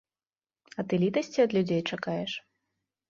А ты літасці ад людзей чакаеш?